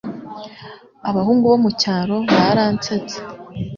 Abahungu bo mucyaro baransetse.